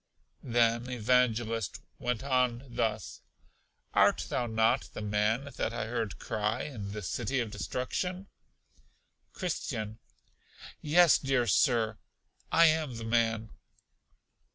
Then Evangelist went on thus: Art not thou the man that I heard cry in The City of Destruction? Christian. Yes, dear Sir, I am the man.